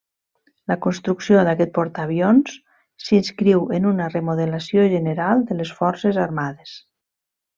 La construcció d'aquest portaavions s'inscriu en una remodelació general de les Forces Armades.